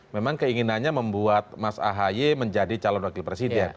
memang keinginannya membuat mas ahaye menjadi calon wakil presiden